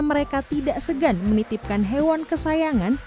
mereka tidak segan menitipkan hewan kesayangan